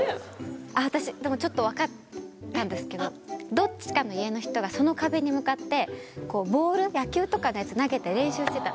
私でもちょっと分かったんですけどどっちかの家の人がその壁に向かってボール野球とかのやつ投げて練習してた。